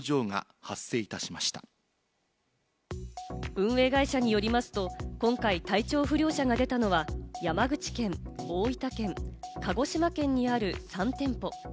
運営会社によりますと、今回、体調不良者が出たのは山口県、大分県、鹿児島県にある３店舗。